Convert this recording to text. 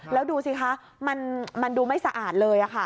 แล้วดูสิคะมันดูไม่สะอาดเลย